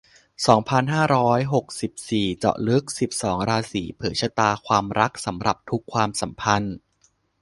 สองพันห้าร้อยหกสิบสี่ เจาะลึก สิบสอง ราศี เผยชะตาความรักสำหรับทุกความสัมพันธ์